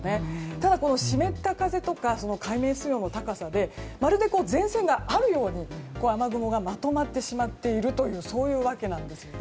ただ、湿った風とか海面水温の高さでまるで前線があるように雨雲がまとまってしまっているというそういう訳なんですよ。